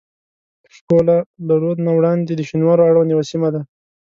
شپوله له رود نه وړاندې د شینوارو اړوند یوه سیمه ده.